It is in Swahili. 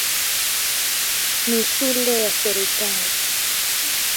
Ni shule ya serikali.